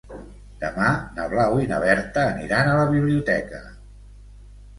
Demà na Blau i na Berta aniran a la biblioteca.